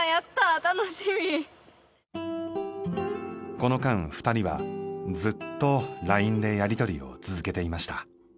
この間２人はずっとＬＩＮＥでやりとりを続けていました。